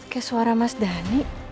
kayak suara mas dhani